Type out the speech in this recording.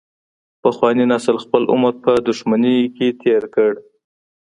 پخواني نسل خپل عمر په دښمنۍ کې تیر کړ.